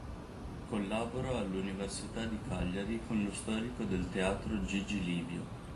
Collabora all'Università di Cagliari con lo storico del teatro Gigi Livio.